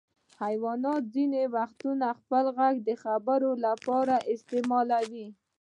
حیوانات ځینې وختونه خپل غږ د خبرو لپاره استعمالوي.